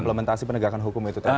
implementasi penegakan hukum itu